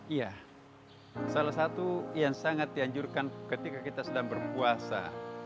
iya salah satu yang sangat dianjurkan ketika kita sedang berpuasa